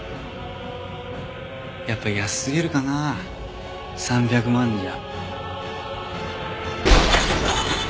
やっぱ安すぎるかな３００万じゃ。